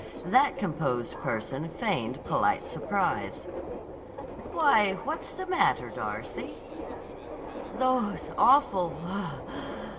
That composed person feigned polite surprise. "Why, what's the matter, Darcy?" "Those awful—pouf!